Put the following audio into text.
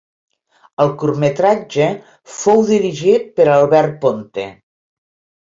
El curtmetratge fou dirigit per Albert Ponte.